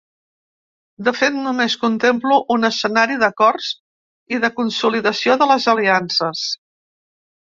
De fet, només contemplo un escenari d’acords i de consolidació de les aliances.